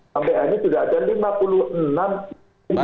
sampai hari ini sudah ada lima puluh enam